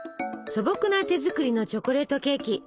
素朴な手作りのチョコレートケーキ。